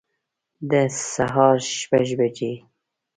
د سهار شپږ بجي